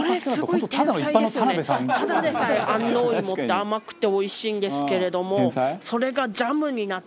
ただでさえ安納芋って甘くておいしいんですけれどもそれがジャムになって。